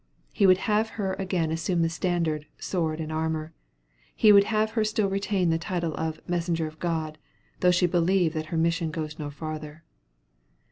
He would have her again assume the standard, sword, and armor; he would have her still retain the title of "Messenger of God," though she believe that her mission goes no farther.